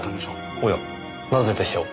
おやなぜでしょう？